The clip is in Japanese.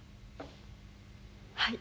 はい。